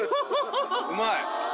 うまい。